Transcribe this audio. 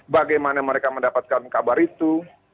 bagaimana mereka mendapatkan kabar itu